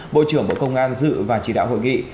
bộ trưởng bộ công an dự và chỉ đạo hội nghị